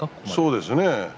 そうですね。